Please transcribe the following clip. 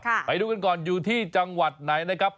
ไปดูกันก่อนอยู่ที่จังหวัดไหนนะครับ